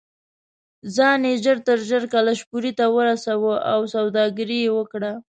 ځان یې ژر تر ژره کلشپورې ته ورساوه او سوداګري یې وکړه.